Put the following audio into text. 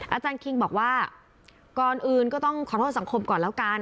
อาจารย์คิงบอกว่าก่อนอื่นก็ต้องขอโทษสังคมก่อนแล้วกัน